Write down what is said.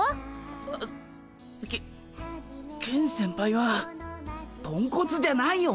あケケン先輩はポンコツじゃないよ。